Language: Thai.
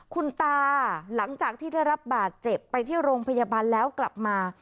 คุณตาหลังจากที่ได้รับบาดเจ็บไปที่โรงพยาบาลแล้วกลับมา